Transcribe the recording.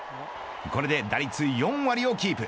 これで打率４割をキープ。